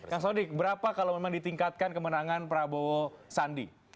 bagaimana memang ditingkatkan kemenangan prabowo sandi